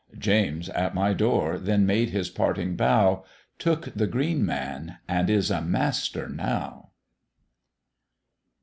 James at my door then made his parting bow, Took the Green Man, and is a master now.